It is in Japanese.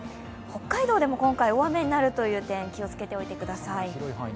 北海道でも今回、大雨となるという点、気をつけておいてください。